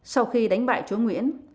sau khi đánh bại chúa nguyễn